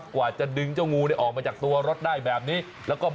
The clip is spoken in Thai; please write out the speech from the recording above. คุณยังไม่ได้บอกเลย